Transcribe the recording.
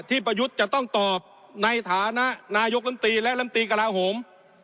ประยุทธ์จะต้องตอบในฐานะนายกลำตีและลำตีกระลาโหม